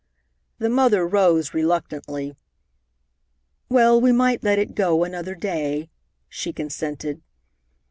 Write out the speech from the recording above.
The mother rose reluctantly. "Well, we might let it go another day," she consented.